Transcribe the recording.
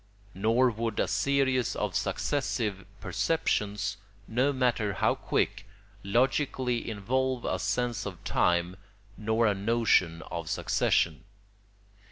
Nor would a series of successive perceptions, no matter how quick, logically involve a sense of time nor a notion of succession.